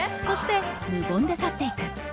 そして無言で去っていく。